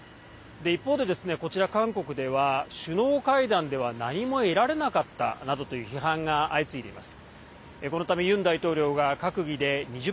一方で、こちら韓国では首脳会談では何も得られなかったなどという批判が相次いでいます。